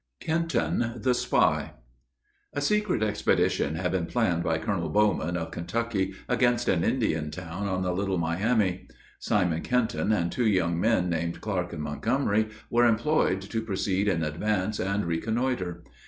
KENTON THE SPY. A secret expedition had been planned by Col. Bowman, of Kentucky, against an Indian town on the little Miama. Simon Kenton and two young men, named Clark and Montgomery, were employed to proceed in advance, and reconnoiter.